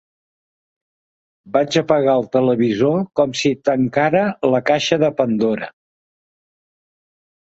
Vaig apagar el televisor com si tancara la caixa de Pandora.